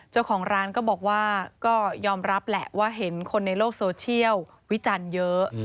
เจ้าของร้านก็บอกว่าก็ยอมรับแหละว่าเห็นคนในโลกโซเชียลวิจารณ์เยอะ